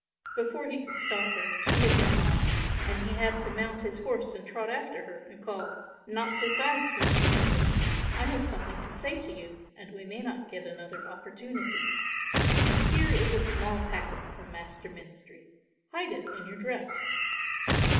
Before he could stop her she had run on, and he had to mount his horse and trot after her and call; "Not so fast, Mistress Aline, I have something to say to you and we may not get another opportunity. Here is a small packet from Master Menstrie. Hide it in your dress."